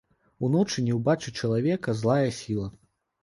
Уночы не ўбачыць чалавека злая сіла.